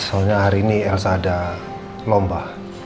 soalnya hari ini harus ada lomba